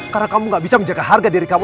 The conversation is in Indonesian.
karena kamu gak bisa menjaga harga diri kamu